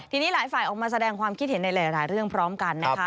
ทีนี้หลายฝ่ายออกมาแสดงความคิดเห็นในหลายเรื่องพร้อมกันนะคะ